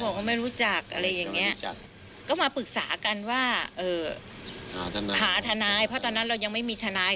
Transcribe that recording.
ก็ไม่รู้จักอะไรอย่างนี้ก็มาปรึกษากันว่าหาทนายเพราะตอนนั้นเรายังไม่มีทนาย